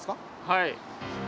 はい。